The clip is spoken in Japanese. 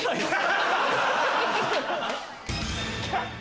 ハハハ！